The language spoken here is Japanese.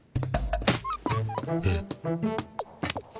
えっ。